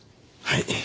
はい。